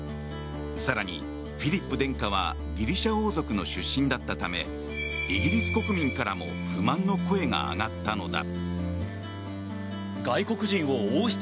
更に、フィリップ殿下はギリシャ王族の出身だったためイギリス国民からも不満の声が上がったのだ。